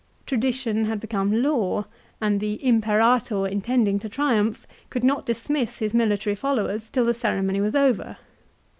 Tradition had become law, and the " Imperator " intending to triumph could not dismiss his military followers till the ceremony was over.